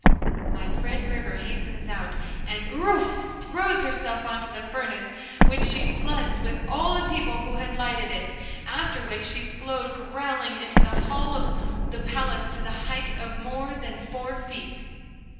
My friend River hastens out, and errouf! throws herself into the furnace, which she floods, with all the people who had lighted it; after which she flowed growling into the hall of the palace to the height of more than four feet.